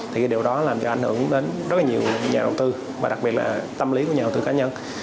thì điều đó làm cho ảnh hưởng đến rất là nhiều nhà đầu tư và đặc biệt là tâm lý của nhà đầu tư cá nhân